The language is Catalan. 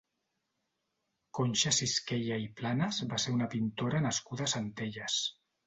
Conxa Sisquella i Planas va ser una pintora nascuda a Centelles.